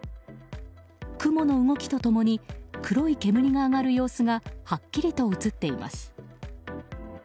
雲の動きと共に黒い煙が上がる様子がはっきりと映っています。